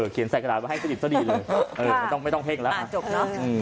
เขียนใส่กระดาษไว้ให้สติดสดีเลยไม่ต้องเพลงแล้ว